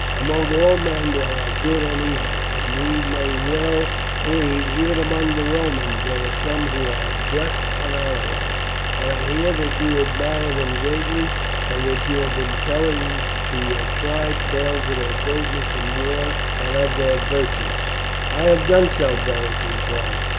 Among all men there are good and evil, and we may well believe, even among the Romans, there are some who are just and honourable. But I hear that you admire them greatly, and that you have been telling to your tribe tales of their greatness in war and of their virtues." "I have done so," Beric replied.